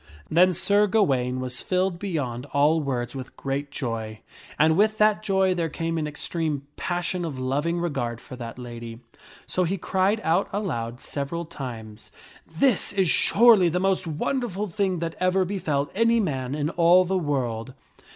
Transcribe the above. i Then Sir Gawaine was filled beyond all words with great joy./ And with that joy there came an extreme passion of loving regard for that lady. So he cried out aloud several times, " This is surely the most wonderful thing that ever befell any man in all the world."